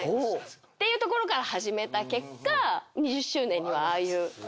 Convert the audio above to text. ていうところから始めた結果２０周年にはああいう。